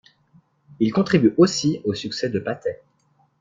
Il contribue aussi au succès de Patay.